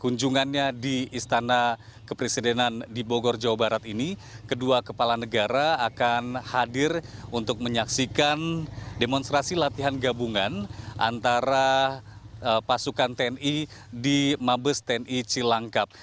kunjungannya di istana kepresidenan di bogor jawa barat ini kedua kepala negara akan hadir untuk menyaksikan demonstrasi latihan gabungan antara pasukan tni di mabes tni cilangkap